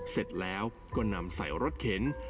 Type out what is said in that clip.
เสร็จแล้วก็นำใส่รถเข็น